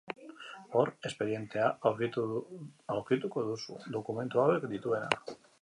Hor, espedientea aurkituko duzu, dokumentu hauek dituena.